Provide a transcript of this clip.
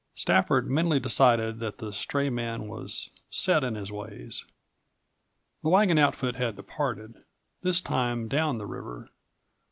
Stafford mentally decided that the stray man was "set in his ways." The wagon outfit had departed, this time down the river.